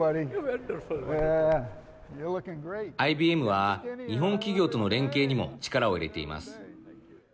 ＩＢＭは、日本企業との連携にも力を入れています。